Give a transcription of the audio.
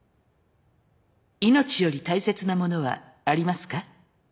命より大切なものはありますか？